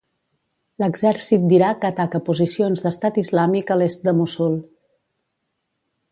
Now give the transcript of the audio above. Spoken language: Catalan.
L'exèrcit d'Irak ataca posicions d'Estat Islàmic a l'est de Mossul.